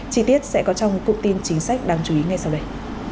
chí tiết sẽ có trong cục tin chính sách đáng chú ý ngay sau đây